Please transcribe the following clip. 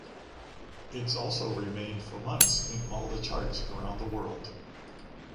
It’s also remained for months in all the charts around the world.